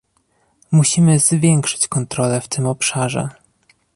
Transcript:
Musimy zwiększyć kontrole w tym obszarze